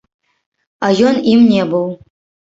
А ён ім не быў.